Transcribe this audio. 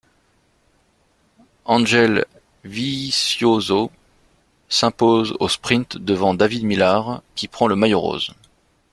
Ángel Vicioso s'impose au sprint devant David Millar qui prend le maillot rose.